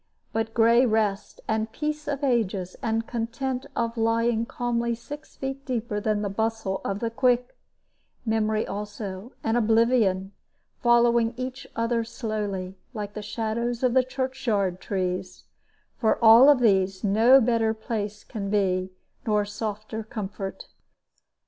But gray rest, and peace of ages, and content of lying calmly six feet deeper than the bustle of the quick; memory also, and oblivion, following each other slowly, like the shadows of the church yard trees for all of these no better place can be, nor softer comfort.